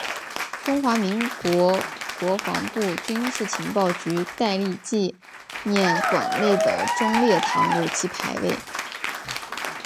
中华民国国防部军事情报局戴笠纪念馆内的忠烈堂有其牌位。